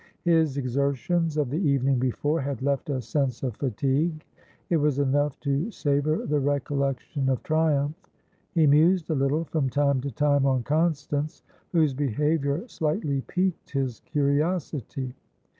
His exertions of the evening before had left a sense of fatigue; it was enough to savour the recollection of triumph. He mused a little, from time to time, on Constance, whose behaviour slightly piqued his curiosity.